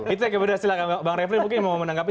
itu yang kebenaran silahkan bang refli mungkin mau menanggapi